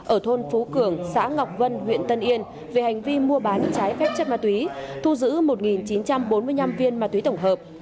ở thôn phú cường xã ngọc vân huyện tân yên về hành vi mua bán trái phép chất ma túy thu giữ một chín trăm bốn mươi năm viên ma túy tổng hợp